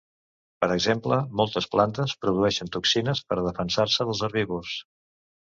Per exemple moltes plantes produeixen toxines per a defensar-se dels herbívors.